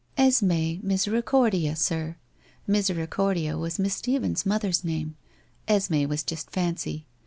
' Esme Misericordia, sir. Misericordia was Miss Stephens' mother's name. Esme was just fancy.